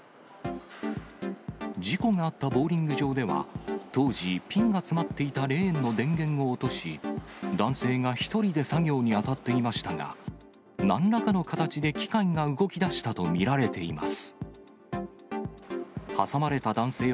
事故があったボウリング場では、当時、ピンが詰まっていたレーンの電源を落とし、男性が１人で作業に当たっていましたが、なんらかの形で機械が動きだしたと見られています。